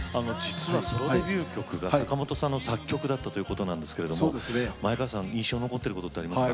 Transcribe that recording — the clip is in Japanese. ソロデビュー曲が坂本さんの作曲だったということなんですが前川さん、印象に残っていることありますか？